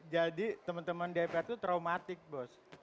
jadi teman teman dprd itu traumatik bos